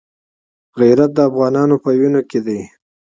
غیرت د افغانانو په وینو کې دی.